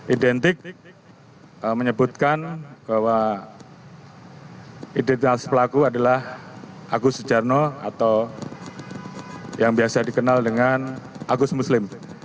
identik menyebutkan bahwa identitas pelaku adalah agus sejarno atau yang biasa dikenal dengan agus muslim